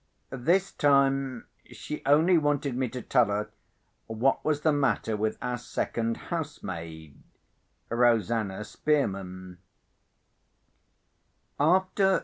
This time she only wanted me to tell her what was the matter with our second housemaid, Rosanna Spearman.